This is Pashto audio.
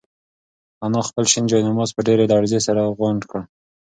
انا خپل شین جاینماز په ډېرې لړزې سره غونډ کړ.